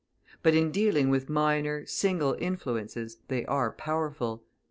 But in dealing with minor, single influences they are powerful.